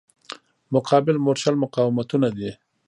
مقابل مورچل مقاومتونه دي.